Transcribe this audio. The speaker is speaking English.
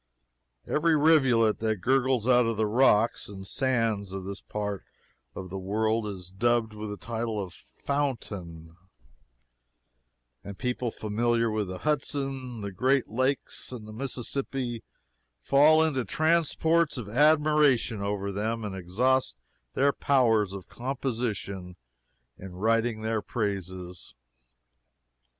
Every rivulet that gurgles out of the rocks and sands of this part of the world is dubbed with the title of "fountain," and people familiar with the Hudson, the great lakes and the Mississippi fall into transports of admiration over them, and exhaust their powers of composition in writing their praises.